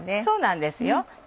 そうなんですよ。